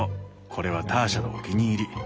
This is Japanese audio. これはターシャのお気に入り。